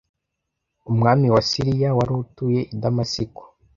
umwami wa Siriya wari utuye i Damasiko